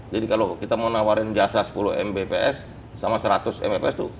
jadi kalau kita mau nawarin jasa sepuluh mbps sama seratus mbps sama ga terlalu signifikan perbedaan harganya